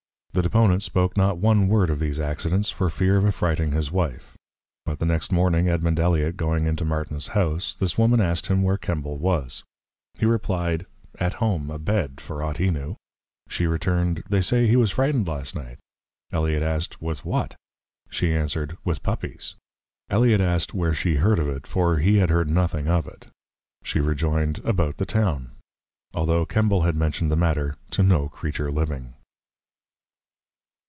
The Deponent spoke not one Word of these Accidents, for fear of affrighting his Wife. But the next Morning, Edmond Eliot, going into Martin's House, this Woman asked him where Kembal was? He replied, At home, a Bed, for ought he knew. She returned, They say, he was frighted last Night. Eliot asked, With what? She answered, With Puppies. Eliot asked, Where she heard of it, for he had heard nothing of it? She rejoined, About the Town. Altho' Kembal had mentioned the Matter to no Creature living.